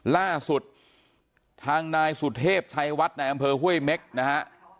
ล่าสุดทางนายสุเทพชัยวัดในอำเภอห้วยเม็กนะฮะ